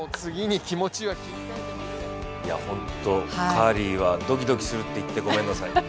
カーリーはドキドキするって言ってごめんなさい。